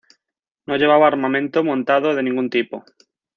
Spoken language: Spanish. No llevaba armamento montado de ningún tipo.